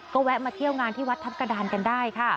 ก็แวะมาเที่ยวงานที่วัดทัพกระดานกันได้ค่ะ